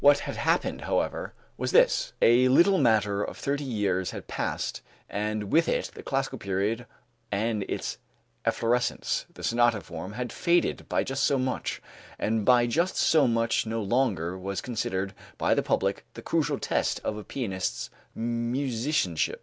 What had happened, however, was this: A little matter of thirty years had passed and with it the classical period and its efflorescence, the sonata form, had faded by just so much, and by just so much no longer was considered by the public the crucial test of a pianist's musicianship.